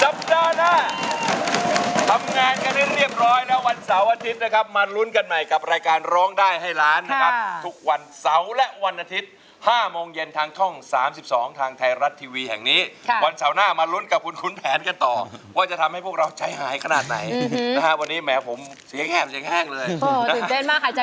สัปดาห์หน้าทำงานกันให้เรียบร้อยแล้ววันเสาร์อาทิตย์นะครับมาลุ้นกันใหม่กับรายการร้องได้ให้ล้านนะครับทุกวันเสาร์และวันอาทิตย์๕โมงเย็นทางช่อง๓๒ทางไทยรัฐทีวีแห่งนี้วันเสาร์หน้ามาลุ้นกับคุณแผนกันต่อว่าจะทำให้พวกเราใจหายขนาดไหนนะฮะวันนี้แหมผมเสียงแหบเสียงแห้งเลยตื่นเต้นมากค่ะ